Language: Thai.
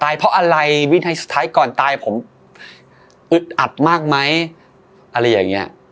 เพราะอะไรวินัยสุดท้ายก่อนตายผมอึดอัดมากไหมอะไรอย่างเงี้ย